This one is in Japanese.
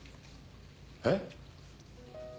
えっ？